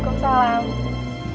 bu bubur ayamnya